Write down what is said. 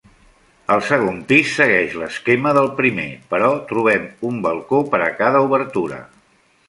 El segon pis segueix l'esquema del primer, però trobem un balcó per a cada obertura.